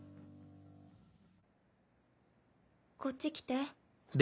こっち来て。